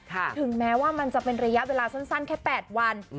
ถึงแม้ว่ามันจะเป็นระยะเวลาสั้นแค่๘วัน